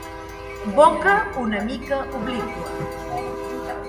Boca una mica obliqua.